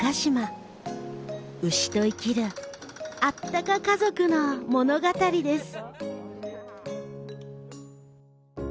牛と生きるあったか家族の物語です。